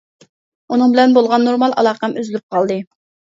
ئۇنىڭ بىلەن بولغان نورمال ئالاقەم ئۈزۈلۈپ قالدى.